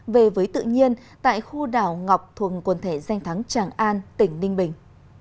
về với tự nhiên tại khu đảo ngọc thuồng quần thể danh thắng tràng an tỉnh ninh bình